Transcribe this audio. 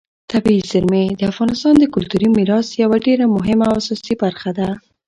طبیعي زیرمې د افغانستان د کلتوري میراث یوه ډېره مهمه او اساسي برخه ده.